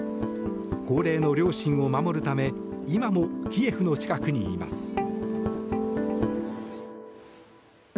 高齢の両親を守るため今もキエフの近くにいます。